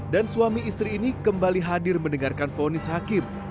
dan suami istri ini kembali hadir mendengarkan vonis hakim